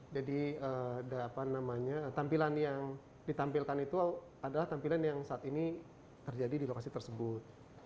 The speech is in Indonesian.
jadi tampilan yang ditampilkan itu adalah tampilan yang saat ini terjadi di lokasi tersebut